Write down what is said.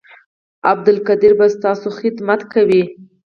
عبدالقدیر به ستاسو خدمت کوي